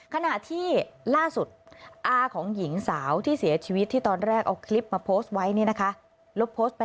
ขณะที่ล่าสุดอาของหญิงสาวที่เสียชีวิตที่ตอนแรกเอาคลิปมาโพสต์ไว้เนี่ยนะคะ